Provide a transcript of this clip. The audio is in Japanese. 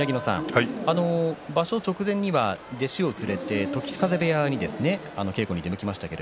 場所直前には弟子を連れて時津風部屋に稽古に出向きましたね。